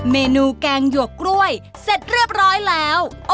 เมนูแกงหยวกกล้วยเสร็จเรียบร้อยแล้ว